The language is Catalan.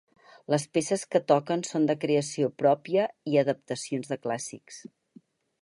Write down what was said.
Les peces que toquen són de creació pròpia i adaptacions de clàssics.